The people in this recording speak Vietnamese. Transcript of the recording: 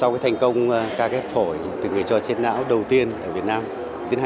các bác sĩ khẳng định